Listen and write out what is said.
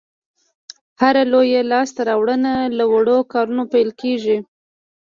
هره لویه لاسته راوړنه له وړو کارونو پیل کېږي.